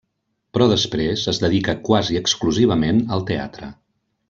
Però després es dedica quasi exclusivament al teatre.